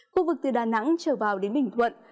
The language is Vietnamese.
khu vực từ đà nẵng trở vào đến bình thuận